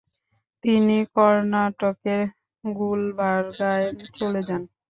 তিনি কর্ণাটকের গুলবার্গায় চলে যান।